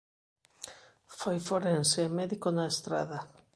Foi forense e médico na Estrada.